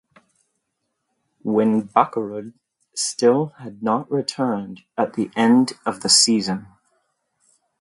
When Bakkerud still had not returned at the end of the season.